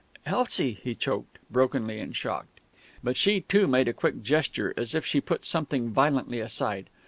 "Elsie!" he choked, brokenly and shocked. But she too made a quick gesture, as if she put something violently aside.